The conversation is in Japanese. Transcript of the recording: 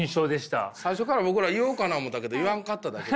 最初から僕らは言おうかな思ったけど言わんかっただけ。